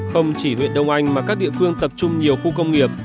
không chỉ huyện đông anh mà các địa phương tập trung nhiều khu công nghiệp